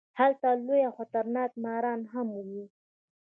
هلته لوی او خطرناک ماران هم وو.